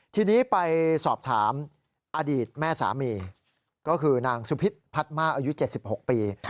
ทีนี้ไปสอบถามอดีตแม่สามีก็คือนางสุพิษพัดมากอายุ๗๖ปี